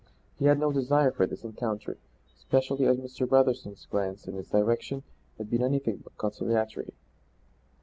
He had no desire for this encounter, especially as Mr. Brotherson's glance in his direction had been anything but conciliatory.